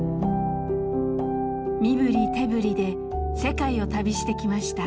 身振り手振りで世界を旅してきました。